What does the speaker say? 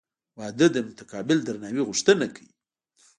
• واده د متقابل درناوي غوښتنه کوي.